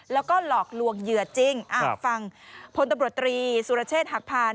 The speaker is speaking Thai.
แล้วก็หลอกลวงเหยื่อจริงฟังพลตำรวจตรีสุรเชษฐ์หักพาน